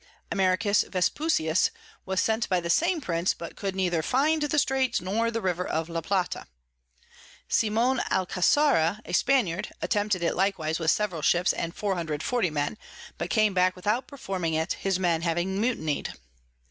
Americus Vespusius was sent by the same Prince, but could neither find the Straits nor the River of La Plata. Simon Alcasara a Spaniard attempted it likewise with several Ships and 440 Men, but came back without performing it, his Men having mutiny'd.